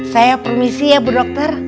saya permisi ya bu dokter